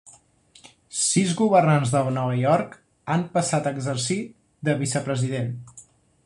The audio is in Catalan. Sis governants de Nova York han passat a exercir de vicepresident.